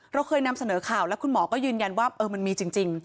เราเคยนำเสนอข่าวแล้วคุณหมอก็ยืนยันว่ามันมีจริง